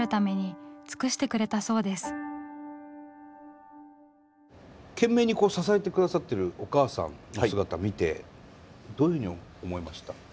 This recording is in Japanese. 操子さんは懸命にこう支えて下さってるお母さんの姿見てどういうふうに思いました？